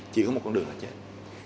chỉ có một con đường là chết